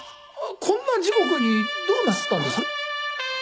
こんな時刻にどうなすったんです？